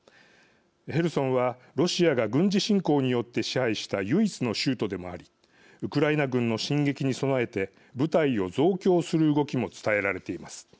ヘルソンはロシアが軍事侵攻によって支配した唯一の州都でもありウクライナ軍の進撃に備えて部隊を増強する動きも伝えられています。